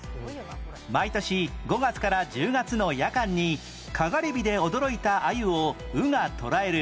毎年５月から１０月の夜間にかがり火で驚いたアユを鵜が捕らえる